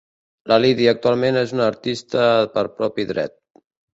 La Lydia actualment és una artista per propi dret.